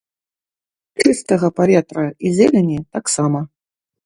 Чыстага паветра і зелені таксама.